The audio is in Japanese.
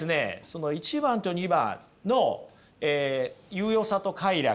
その１番と２番の有用さと快楽。